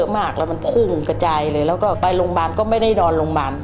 หัวกลายเป็นแขนลด